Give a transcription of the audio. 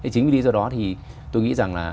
chính vì lý do đó thì tôi nghĩ rằng là